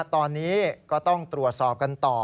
ตอนนี้ก็ต้องตรวจสอบกันต่อ